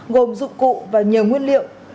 gồm dụng cụ và nhiều nguyên liệu